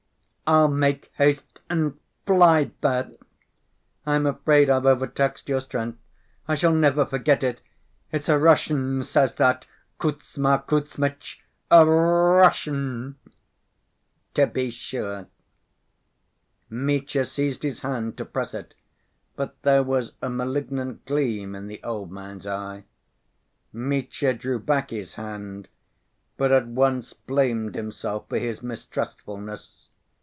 "I'll make haste and fly there. I'm afraid I've overtaxed your strength. I shall never forget it. It's a Russian says that, Kuzma Kuzmitch, a R‐r‐ russian!" "To be sure!" Mitya seized his hand to press it, but there was a malignant gleam in the old man's eye. Mitya drew back his hand, but at once blamed himself for his mistrustfulness.